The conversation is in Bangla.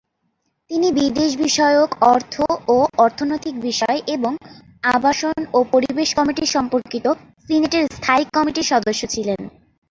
তিনি বিদেশ বিষয়ক, অর্থ ও অর্থনৈতিক বিষয় এবং আবাসন ও পরিবেশ কমিটি সম্পর্কিত সিনেটের স্থায়ী কমিটির সদস্য ছিলেন।